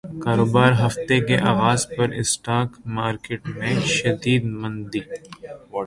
کاروباری ہفتے کے اغاز پر اسٹاک مارکیٹ میں شدید مندی